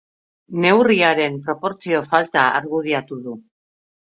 Neurriaren proportzio falta argudiatu du.